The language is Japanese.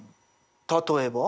例えば？